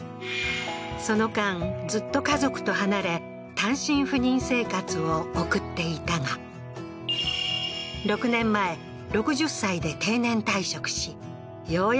その間ずっと家族と離れ単身赴任生活を送っていたが６年前６０歳で定年退職しよう